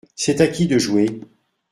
C’est à qui de jouer ?